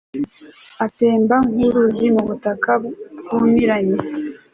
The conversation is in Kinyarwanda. atemba nk'uruzi mu butaka bwumiranye